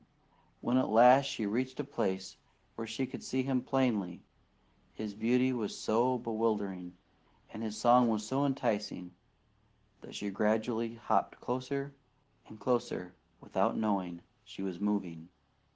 When at last she reached a place where she could see him plainly, his beauty was so bewildering, and his song so enticing that she gradually hopped closer and closer without knowing she was moving.